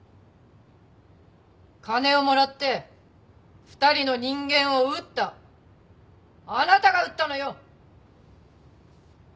金をもらって２人の人間を撃ったあなたが撃ったのよ！